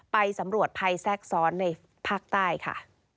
ไปสำรวจภัยแทรกซ้อนในภาคใต้ค่ะ